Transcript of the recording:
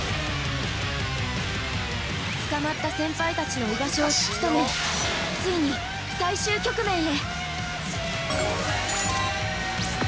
捕まった先輩たちの居場所を突きとめ、ついに最終局面へ。